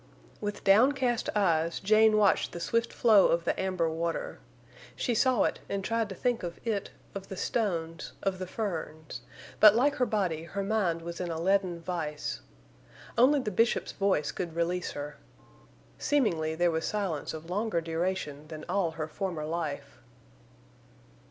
With downcast eyes Jane watched the swift flow of the amber water. She saw it and tried to think of it, of the stones, of the ferns; but, like her body, her mind was in a leaden vise. Only the Bishop's voice could release her. Seemingly there was silence of longer duration than all her former life.